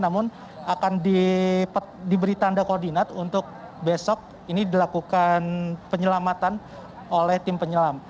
namun akan diberi tanda koordinat untuk besok ini dilakukan penyelamatan oleh tim penyelam